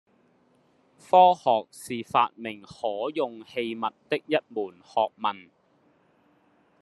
科學是發明可用器物的一門學問